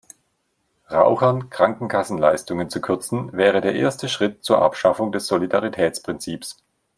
Rauchern Krankenkassenleistungen zu kürzen, wäre der erste Schritt zur Abschaffung des Solidaritätsprinzips.